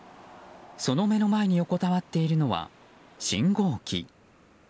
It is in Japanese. その目の前に横たわっているのは信号機。